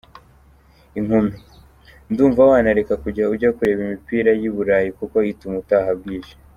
Inkumi : Ndumva wanareka kujya ujya kureba imipira y’i Burayi kuko ituma utaha bwije.